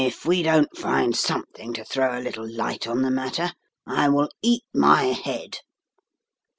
"If we don't find something to throw a little light on the matter I will eat my head."